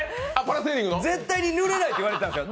絶対にぬれないって言われたんですよ、